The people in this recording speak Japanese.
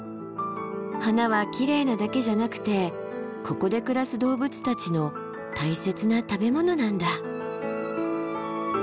花はきれいなだけじゃなくてここで暮らす動物たちの大切な食べ物なんだ。